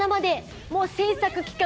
もう制作期間